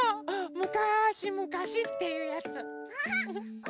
「むかしむかし」っていうやつ。